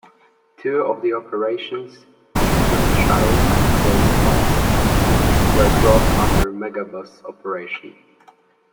Two of the operations-Eastern Shuttle and Today's Bus-were brought under Megabus operation.